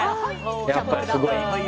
やっぱりすごい。